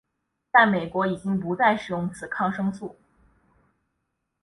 在美国已经不再使用此抗生素。